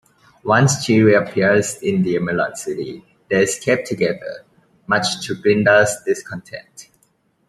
Once she reappears in the Emerald City, they escape together, much to Glinda's discontent.